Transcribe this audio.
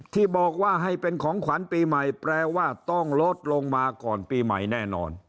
ที่บอกว่าให้เป็นของขวัญปีใหม่แปลว่าต้องลดลงมาก่อนปีใหม่แน่นอน